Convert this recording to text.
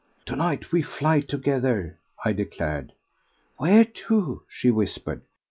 "To night we fly together," I declared. "Where to?" she whispered.